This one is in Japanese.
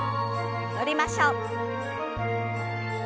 戻りましょう。